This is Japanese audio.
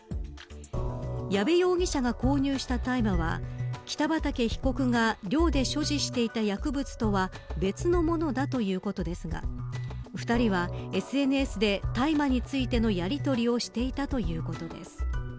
矢部容疑者が購入した大麻は北畠被告が寮で所持していた薬物とは別のものだということですが２人は、ＳＮＳで大麻についてのやりとりをしていたということです。